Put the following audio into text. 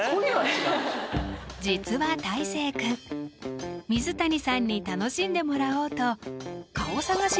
実はたいせい君水谷さんに楽しんでもらおうと顔探し